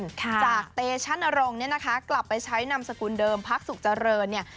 จากเตชั่นนรงค์เนี่ยนะคะกลับไปใช้นามสกุลเดิมพักสุขเจริญเนี่ย